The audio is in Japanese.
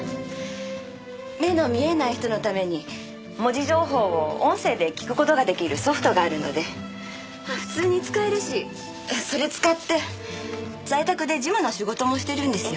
目の見えない人のために文字情報を音声で聞く事が出来るソフトがあるので普通に使えるしそれ使って在宅で事務の仕事もしてるんですよ。